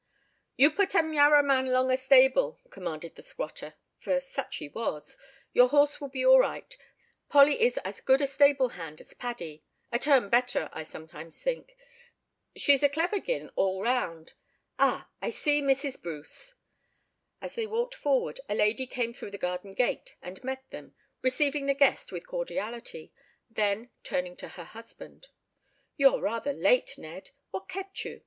"You put 'em yarraman longa stable," commanded the squatter—for such he was. "Your horse will be all right. Polly is as good a stable hand as Paddy—a turn better, I sometimes think. She's a clever 'gin' all round. Ah! I see Mrs. Bruce." As they walked forward, a lady came through the garden gate, and met them—receiving the guest with cordiality—then turning to her husband. "You're rather late, Ned! What kept you?